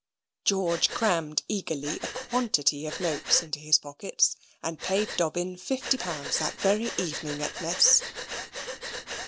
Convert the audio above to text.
George crammed eagerly a quantity of notes into his pockets, and paid Dobbin fifty pounds that very evening at mess.